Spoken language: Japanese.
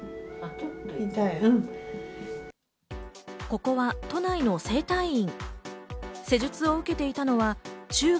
ここは都内の整体院。